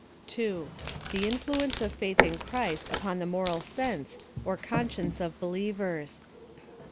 2. The influence of faith in christ upon the moral sf.nse, or conscience of believers.